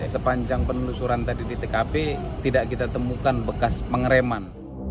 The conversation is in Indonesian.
sepanjang penelusuran tadi di tkp tidak kita temukan bekas pengereman